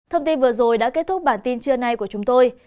thông tin vừa rồi đã kết thúc bản tin trưa nay của chúng tôi